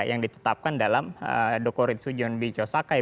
yang ditetapkan dalam dokorit sujion bijo sakai